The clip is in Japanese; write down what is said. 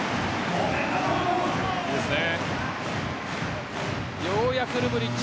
いいですね。